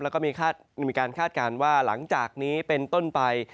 แล้วก็มีการคาดการณ์ว่าหลังจากนี้เป็นต้นไป